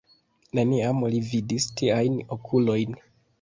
Neniam li vidis tiajn okulojn.